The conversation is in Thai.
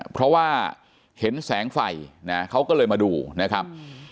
เพราะว่าเห็นแสงไฟนะเขาก็เลยมาดูนะครับ